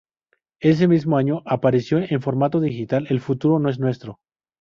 Ese mismo año, apareció en formato digital "El futuro no es nuestro.